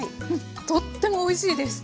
とってもおいしいです。